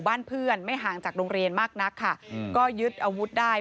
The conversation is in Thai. บ้านเพื่อนไม่ห่างจากโรงเรียนมากนักค่ะก็ยึดอาวุธได้